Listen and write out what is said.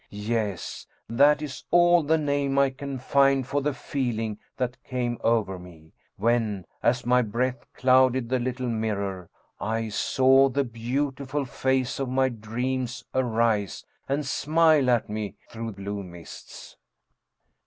Yes, that is all the name I can find for the feeling that came over me, when, as my breath clouded the little mirror, I saw the beautiful face of my dreams arise and smile at me through blue mists.